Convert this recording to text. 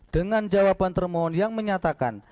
dengan jawaban termohon yang menyatakan